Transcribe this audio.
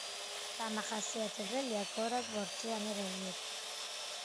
დამახასიათებელია გორაკ-ბორცვიანი რელიეფი.